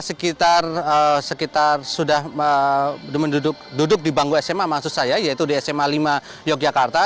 sekitar sudah duduk di bangku sma maksud saya yaitu di sma lima yogyakarta